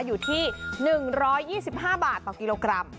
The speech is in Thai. อยู่ที่๑๒๕บาทต่อกิโลกรัม